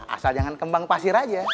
asal jangan kembang pasir aja